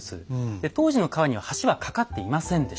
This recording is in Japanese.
で当時の川には橋は架かっていませんでした。